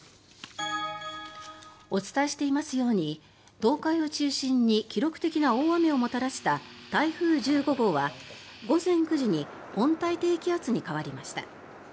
お伝えしていますように東海を中心に記録的な大雨をもたらした台風１５号は午前９時に温帯低気圧に変わりました。